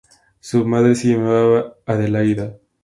Su madre se llamaba Adelaida.